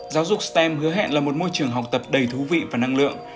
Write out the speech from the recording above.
giáo dục stem hứa hẹn là một môi trường học tập đầy thú vị và năng lượng